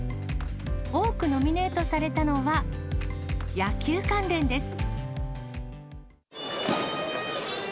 多くノミネートされたのは、野球関連です。